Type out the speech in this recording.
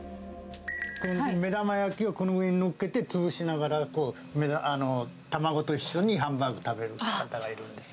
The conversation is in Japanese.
目玉焼きをこの上にのっけて、潰しながら、こう、卵と一緒にハンバーグ食べる方がいるんですよ。